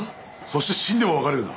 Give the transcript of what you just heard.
そして死んでも別れるな！